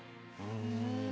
うん。